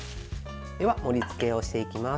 では、盛りつけをしていきます。